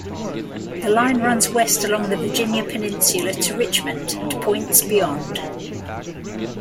The line runs west along the Virginia Peninsula to Richmond and points beyond.